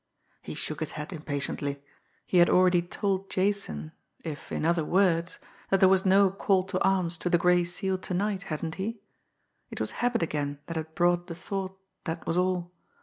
He shook his head impatiently. He had already told Jason if in other words that there was no "call to arms" to the Gray Seal to night, hadn't he? It was habit again that had brought the thought, that was all!